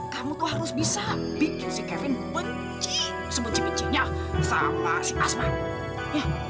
kamu tuh harus bisa bikin si kevin benci sebenci bencinya sama si asma iya